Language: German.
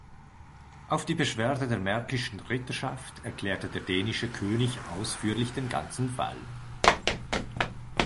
Auf die Beschwerde der märkischen Ritterschaft erklärte der dänische König ausführlich den ganzen Fall.